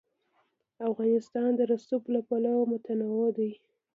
افغانستان د رسوب له پلوه متنوع دی.